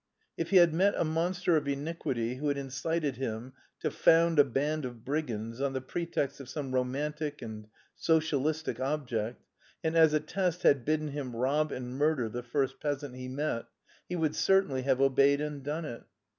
If he had met a monster of iniquity who had incited him to found a band of brigands on the pretext of some romantic and socialistic object, and as a test had bidden him rob and murder the first peasant he met, he would certainly have obeyed and done it.